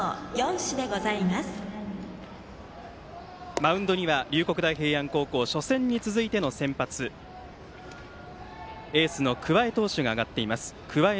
マウンドには龍谷大平安高校初戦に続いての先発エースの桑江駿成投手が上がっています。